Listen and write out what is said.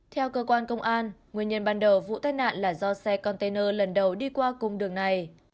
theo cơ quan công an nguyên nhân ban đầu vụ tai nạn là do xe container lần đầu đi qua cung đường này